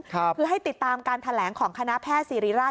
คือให้ติดตามการแถลงของคณะแพทย์ศิริราช